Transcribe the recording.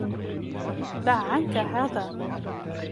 دع عنك هذا